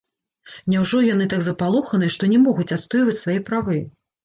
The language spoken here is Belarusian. Няўжо яны так запалоханыя, што не могуць адстойваць свае правы?